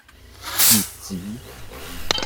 穴子